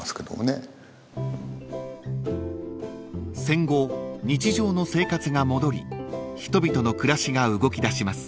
［戦後日常の生活が戻り人々の暮らしが動きだします］